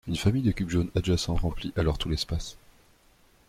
Une famille de cubes jaunes adjacents remplit alors tout l'espace.